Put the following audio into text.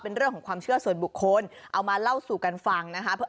เป็นเรื่องของความเชื่อส่วนบุคคลเอามาเล่าสู่กันฟังนะคะ